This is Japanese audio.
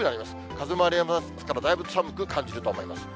風もありますから、だいぶ寒く感じると思います。